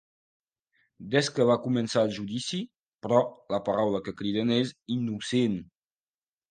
Des que va començar el judici, però, la paraula que criden és ‘innocent’.